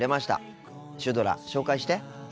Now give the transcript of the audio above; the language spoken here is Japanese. シュドラ紹介して。